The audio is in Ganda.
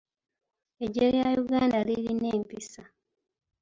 Eggye lya Uganda lirina empisa.